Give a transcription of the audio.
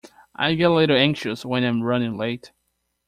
I get a little anxious when I'm running late.